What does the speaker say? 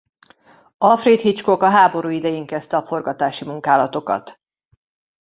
Alfred Hitchcock a háború idején kezdte a forgatási munkálatokat.